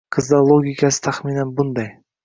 Qizlar logikasi taxminan bunday